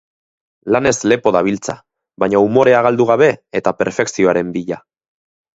Lanez lepo dabiltza, baina umorea galdu gabe eta perfekzioaren bila.